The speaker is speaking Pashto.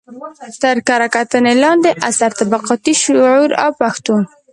تر کره کتنې لاندې اثر: طبقاتي شعور او پښتو